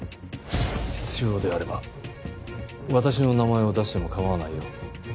必要であれば私の名前を出してもかまわないよ。